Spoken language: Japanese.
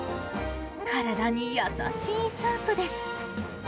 体に優しいスープです。